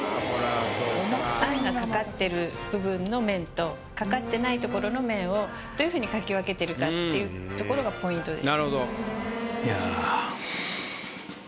餡がかかってる部分の麺とかかってない所の麺をどういうふうに描き分けてるかっていうところがポイントです。